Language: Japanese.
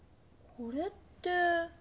これって。